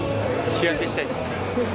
日焼けしたいです。